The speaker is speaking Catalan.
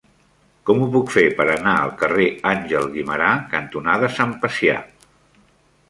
Com ho puc fer per anar al carrer Àngel Guimerà cantonada Sant Pacià?